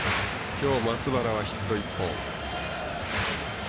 きょう、松原はヒット１本。